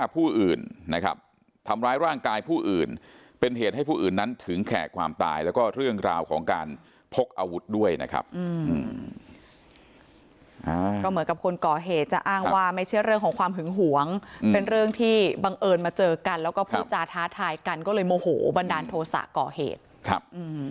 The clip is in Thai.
ก็เหมือนกับคนก่อเหตุจะอ้างว่าไม่ใช่เรื่องของความหึงหวงเป็นเรื่องที่บังเอิญมาเจอกันแล้วก็พูดจาท้าทายกันก็เลยโมโหบันดาลโทษะก่อเหตุครับ